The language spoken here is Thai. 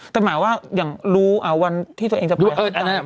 แต่หมายว่าอย่างรู้วันที่ตัวเองจะพูด